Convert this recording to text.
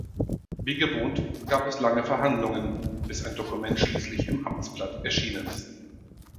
Wie gewohnt, gab es lange Verhandlungen, bis ein Dokument schließlich im Amtsblatt erschienen ist.